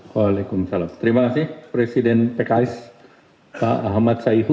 wa'alaikumussalam terima kasih presiden pks pak ahmad sayyih